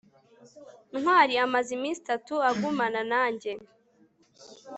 ntwali amaze iminsi itatu agumana nanjye